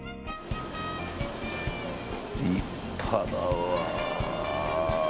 立派だわ。